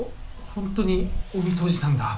本当にお見通しなんだ。